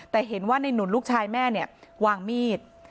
แต่เห็นว่าในหนุนลูกชายแม่เนี่ยวางมีด